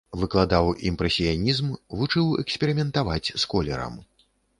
Выкладаў імпрэсіянізм, вучыў эксперыментаваць з колерам.